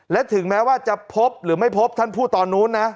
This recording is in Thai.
และถึงแม้ว่าจะพบหรือไม่พบท่านพูดตอนนู้นนะ